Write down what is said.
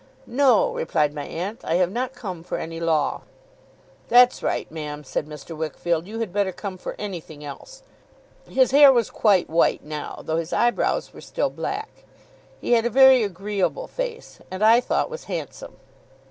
'No,' replied my aunt. 'I have not come for any law.' 'That's right, ma'am,' said Mr. Wickfield. 'You had better come for anything else.' His hair was quite white now, though his eyebrows were still black. He had a very agreeable face, and, I thought, was handsome.